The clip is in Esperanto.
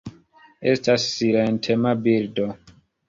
Estas silentema birdo.